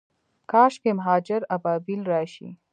کاشکي مهاجر ابابیل راشي